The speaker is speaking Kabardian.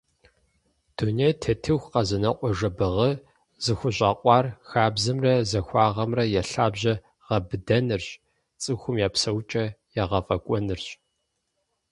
Дунейм тетыху, Къэзэнокъуэ Жэбагъы зыхущӏэкъуар хабзэмрэ захуагъэмрэ я лъабжьэр гъэбыдэнырщ, цӏыхум я псэукӏэр егъэфӏэкӏуэнырщ.